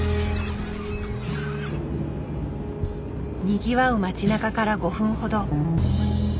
にぎわう町なかから５分ほど。